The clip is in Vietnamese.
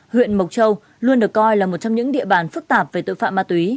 huyện mộc châu luôn được coi là một trong những địa bàn phức tạp về tội phạm ma túy